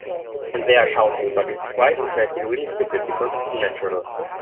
And they're shouting, but it's quiet and they feel really stupid, because it's unnatural.